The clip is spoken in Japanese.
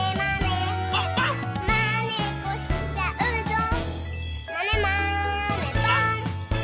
「まねっこしちゃうぞまねまねぽん！」